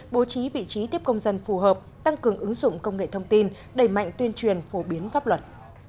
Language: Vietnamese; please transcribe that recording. bố trí vị trí tiếp công dân phù hợp tăng cường ứng dụng công nghệ thông tin đẩy mạnh tuyên truyền phổ biến pháp luật